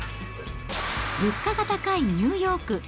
物価が高いニューヨーク。